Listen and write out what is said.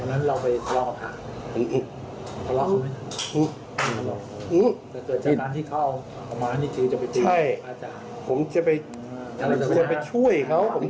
วันนั้นเราไปทะเลาะกับภาค